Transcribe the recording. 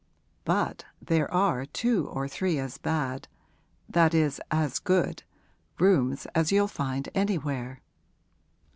But there are two or three as bad that is, as good! rooms as you'll find anywhere.'